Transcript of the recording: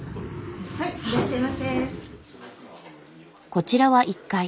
こちらは１階。